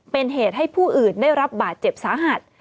เป็นเหตุให้ผู้อื่นได้รับบาดเจ็บสาหัส